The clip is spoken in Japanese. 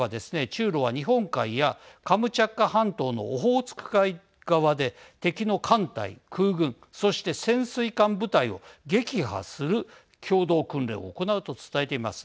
中ロは、日本海やカムチャッカ半島のオホーツク海側で敵の艦隊、空軍そして潜水艦部隊を撃破する共同訓練を行うと伝えています。